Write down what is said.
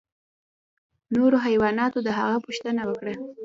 نورو حیواناتو د هغه پوښتنه وکړه.